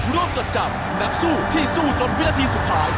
จดจำนักสู้ที่สู้จนวินาทีสุดท้าย